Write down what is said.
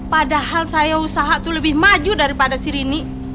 padahal saya usaha itu lebih maju daripada si rini